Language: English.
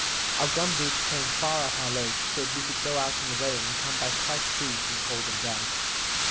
Our gum boots came far up our legs, so that we could go out in the rain and come back quite free from cold and damp.